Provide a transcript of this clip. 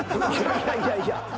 いやいやいや。